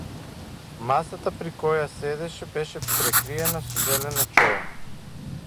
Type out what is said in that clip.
Масата при која седеше беше прекриена со зелена чоја.